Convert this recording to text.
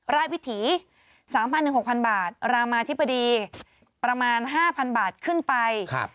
รายวิถี๓๐๐๐๖๐๐๐บาทรามาธิปดีประมาณ๕๐๐๐บาทขึ้นไปครับ